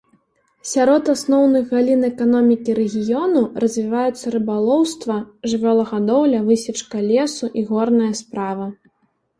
Сярод асноўных галін эканомікі рэгіёну развіваюцца рыбалоўства, жывёлагадоўля, высечка лесу і горная справа.